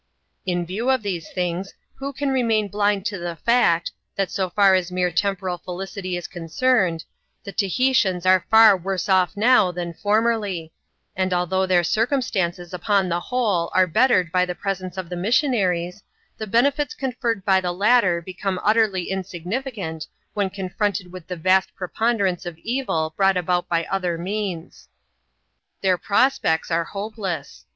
In view of these things, who can remain blind to the fact, that so far as mere temporal felicity is concerned, the Tahi tians are far worse off now than formerly ; and although their circumstances, upon the whole, are bettered by the presence of the missionaries, the benefits conferred by the latter become utterly insignificant when confronted with the vast preponder* ance of evil brought about by other means. Their prospects are hopeless.